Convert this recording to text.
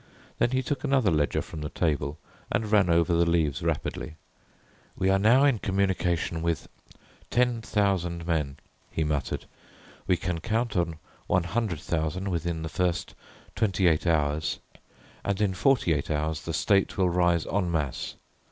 Then he took another ledger from the table and ran over the leaves rapidly. "We are now in communication with ten thousand men," he muttered. "We can count on one hundred thousand within the first twenty eight hours, and in forty eight hours the state will rise en masse.